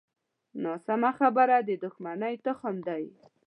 ناسمه خبره د دوښمنۍ تخم دی